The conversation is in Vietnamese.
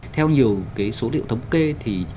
theo nhiều số liệu thống kê thì